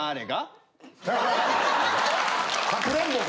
かくれんぼか。